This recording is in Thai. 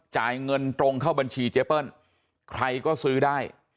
จ่ายเงินตรงเข้าบัญชีเจเปิ้ลใครก็ซื้อได้